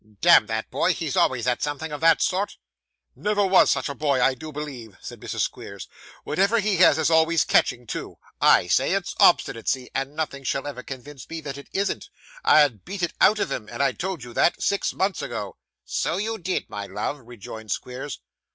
'Damn that boy, he's always at something of that sort.' 'Never was such a boy, I do believe,' said Mrs. Squeers; 'whatever he has is always catching too. I say it's obstinacy, and nothing shall ever convince me that it isn't. I'd beat it out of him; and I told you that, six months ago.' 'So you did, my love,' rejoined Squeers.